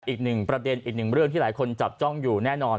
อีกหนึ่งประเด็นอีกหนึ่งเรื่องที่หลายคนจับจ้องอยู่แน่นอน